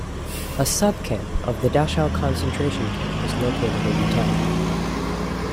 A subcamp of the Dachau concentration camp was located in the town.